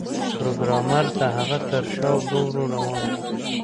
پروګرامر د هغه تر شا ورو ورو روان و